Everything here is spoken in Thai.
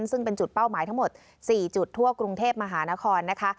ซึ่งเป็นจุดเป้าหมายทั้งหมด๔จุดทั่วกรุงเทพมหานครนะคะ